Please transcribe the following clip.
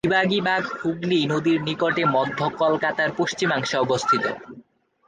বিবাদী বাগ হুগলি নদীর নিকটে মধ্য কলকাতার পশ্চিমাংশে অবস্থিত।